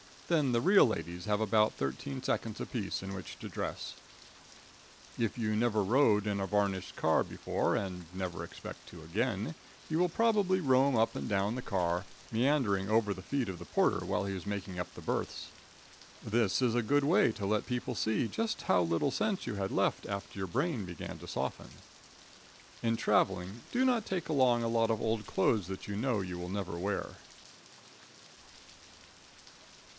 Then the real ladies have about thirteen seconds apiece in which to dress. If you never rode in a varnished car before, and never expect to again, you will probably roam up and down the car, meandering over the feet of the porter while he is making up the berths. This is a good way to let people see just how little sense you had left after your brain began to soften. In traveling, do not take along a lot of old clothes that you know you will never wear.